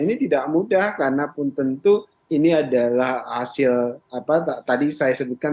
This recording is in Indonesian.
jadi tidak mudah karena pun tentu ini adalah hasil apa tadi saya sebutkan